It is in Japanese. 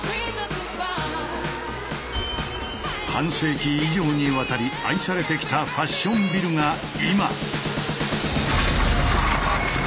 半世紀以上にわたり愛されてきたファッションビルが今。